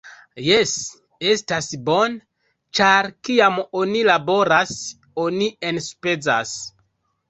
Jes, estas bone ĉar kiam oni laboras oni enspezas